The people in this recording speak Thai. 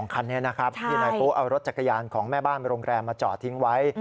๒คันนี้ในในปุ๊ตเอารถจักรยานของแม่บ้านไปโรงแรมมาจอดทิ้งไว้